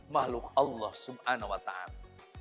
mahluk allah subhanahu wa ta ala